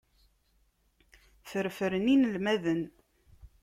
Ffṛefṛen inelmaden.